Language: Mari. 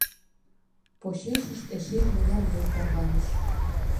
Почешышт эше икмыняр еҥ тарваныш.